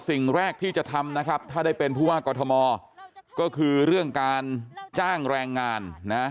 สิ่งแรกที่จะทำนะครับถ้าได้เป็นผู้ว่ากอทมก็คือเรื่องการจ้างแรงงานนะ